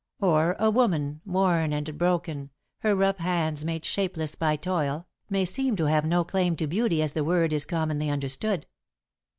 [Sidenote: Beauty the Twin of Love] Or a woman, worn and broken, her rough hands made shapeless by toil, may seem to have no claim to beauty as the word is commonly understood.